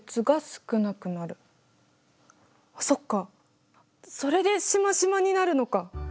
そっかそれでしましまになるのか！